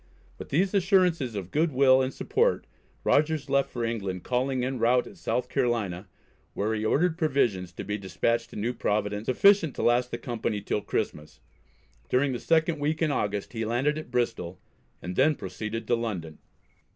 With these assurances of good will and support Rogers left for England, calling en route at South Carolina, where he ordered provisions to be despatched to New Providence sufficient to last the company till Christmas. During the second week in August he landed at Bristol, and then proceeded to London.